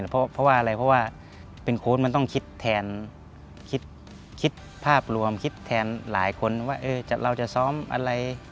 เพราะว่าอะไรเพราะว่าเป็นโค้ดมันต้องคิดแทนคิดภาพรวมคิดแทนหลายคนว่าเราจะซ้อมอะไร